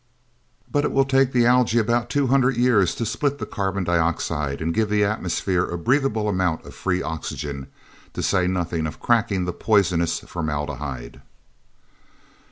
But it will take the algae about two hundred years to split the carbon dioxide and give the atmosphere a breathable amount of free oxygen, to say nothing of cracking the poisonous formaldehyde."